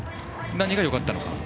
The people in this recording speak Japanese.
何がよかったのかと。